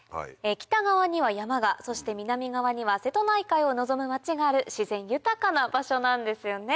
北側には山がそして南側には瀬戸内海を望む町がある自然豊かな場所なんですよね。